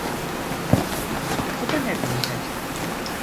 Bu koku da ne böyle?